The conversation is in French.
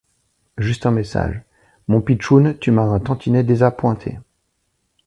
Juste un message :« Mon Pitchoun, Tu m’as un tantinet désappointée.